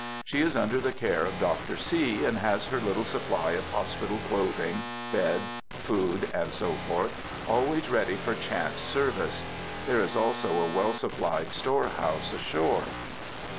She is under the care of Dr. C., and has her little supply of hospital clothing, beds, food, &c., always ready for chance service. There is also a well supplied storehouse ashore.